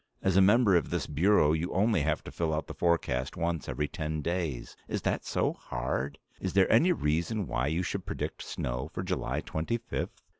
As a member of this Bureau you only have to fill out the forecast once every ten days. Is that so hard? Is there any reason why you should predict snow for July 25th?"